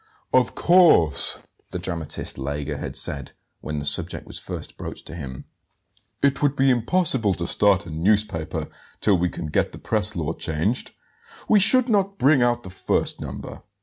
"Of course," the dramatist Lega had said, when the subject was first broached to him; "it would be impossible to start a newspaper till we can get the press law changed; we should not bring out the first number.